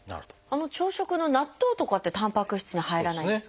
あの朝食の納豆とかってたんぱく質に入らないんですか？